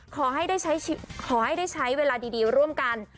ขอให้ได้ใช้เวลาดีร่วมกัน